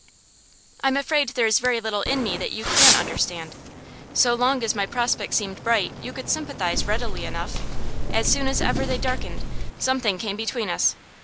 'I'm afraid there is very little in me that you can understand. So long as my prospects seemed bright, you could sympathise readily enough; as soon as ever they darkened, something came between us.